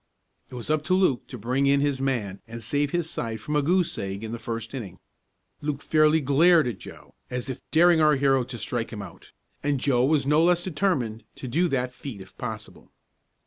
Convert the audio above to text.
It was up to Luke to bring in his man and save his side from a goose egg in the first inning. Luke fairly glared at Joe, as if daring our hero to strike him out, and Joe was no less determined to do that feat if possible.